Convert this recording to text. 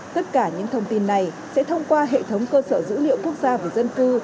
tất cả những thông tin này sẽ thông qua hệ thống cơ sở dữ liệu quốc gia về dân cư